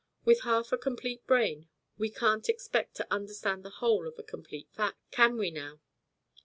With half a complete brain we can't expect to understand the whole of a complete fact, can we, now?